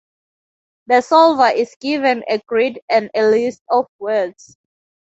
The solver is given a grid and a list of words.